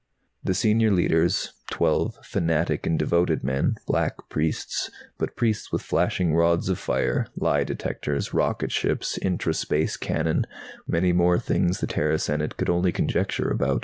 The Senior Leiters, twelve fanatic and devoted men, black priests, but priests with flashing rods of fire, lie detectors, rocket ships, intra space cannon, many more things the Terran Senate could only conjecture about.